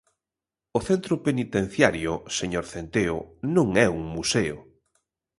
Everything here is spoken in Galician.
O centro penitenciario, señor Centeo, non é un museo.